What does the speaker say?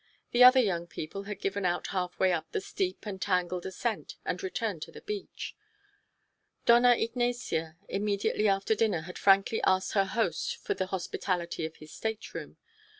The other young people had given out halfway up the steep and tangled ascent and returned to the beach. Dona Ignacia immediately after dinner had frankly asked her host for the hospitality of his stateroom.